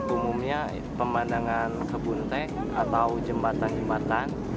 umumnya pemandangan kebun teh atau jembatan jembatan